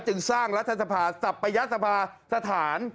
จึงสร้างรัฐสภาสัปยศภาสถาน